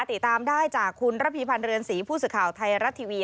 ติดตามได้จากคุณระพีพันธ์เรือนศรีผู้สื่อข่าวไทยรัฐทีวี